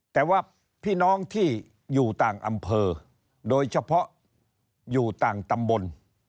แต่ว่าพี่น้องที่อยู่ต่างอำเภอโดยเฉพาะอยู่ต่างตำบล